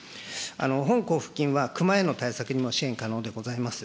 本交付金は、熊への対策にも支援可能でございます。